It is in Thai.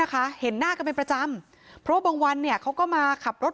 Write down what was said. เห็นหน้ากันเป็นประจำเพราะบางวันเนี่ยเขาก็มาขับรถ